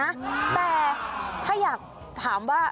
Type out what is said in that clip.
แต่ถ้าอยากถามว่า